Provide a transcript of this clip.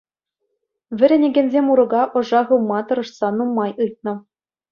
Вӗренекенсем урока ӑша хывма тӑрӑшса нумай ыйтнӑ.